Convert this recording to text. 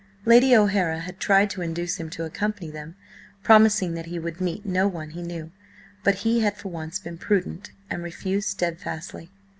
Lady O'Hara had tried to induce him to accompany them, promising that he would meet no one he knew, but he had for once been prudent and refused steadfastly.